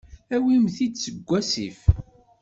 Awimt-t-id seg wasif.